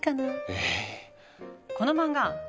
ええ？